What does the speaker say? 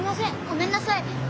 ごめんなさい。